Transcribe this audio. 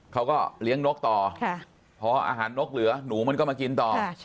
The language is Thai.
เขาก็เลี้ยงนกต่อพออาหารนกเหลือหนูมันก็มากินต่อ